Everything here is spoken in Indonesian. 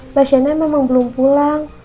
mbak sienanya memang belum pulang